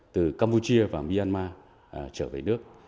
từ campuchia và myanmar trở về nước